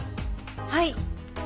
はい。